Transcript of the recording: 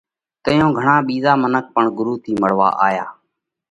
تئيون گھڻا ٻِيزا منک پڻ ڳرُو ٿِي مۯوا آيا۔